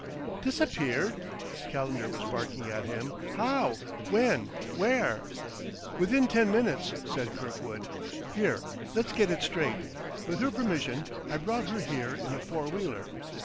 "Disappeared?" Calendar was barking at him. "How? When? Where?" "Within ten minutes," said Kirkwood. "Here, let's get it straight.... With her permission I brought her here in a four wheeler."